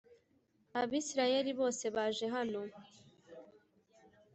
Abisirayeli bose baje hano